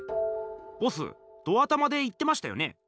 ボスド頭で言ってましたよね？